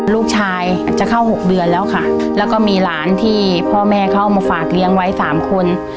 ลูกชายอาจจะเข้า๖เดือนแล้วค่ะแล้วก็มีหลานที่พ่อแม่เขาเอามาฝากเลี้ยงไว้สามคน